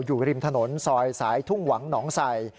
อยู่ริมถนนซอยสายทุ่งหวังหนองใส่